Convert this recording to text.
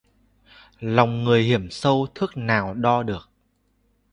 Lòng người hiểm sâu thước nào đo được